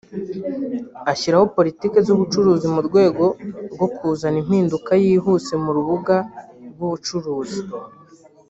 abashyiraho politiki z’ubucuruzi mu rwego rwo kuzana impinduka yihuse mu rubuga rw’ubucuruzi